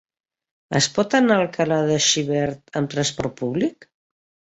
Es pot anar a Alcalà de Xivert amb transport públic?